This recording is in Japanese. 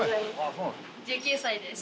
１９歳です。